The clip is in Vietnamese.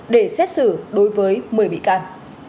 để xét xử đối với một mươi bị can